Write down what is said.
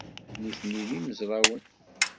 Nitni d imezrawen.